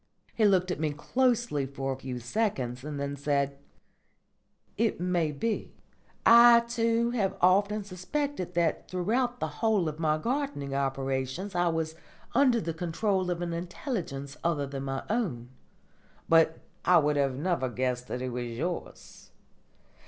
He looked at me closely for a few seconds, and then said: "It may be. I too have often suspected that throughout the whole of my gardening operations I was under the control of an intelligence other than my own. But I would never have guessed that it was yours.